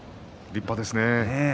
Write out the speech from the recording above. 立派ですね。